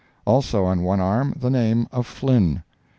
also, on one arm, the name of Flinn."